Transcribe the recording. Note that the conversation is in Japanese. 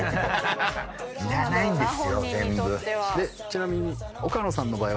ちなみに。